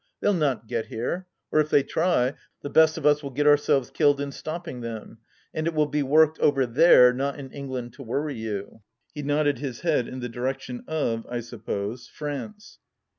They'll not get here — or if they try, the best of us will get ourselves killed iu stopping them. And it wUl be worked over there, not in England to worry you." He nodded his head in the direc tion of, I suppose, France.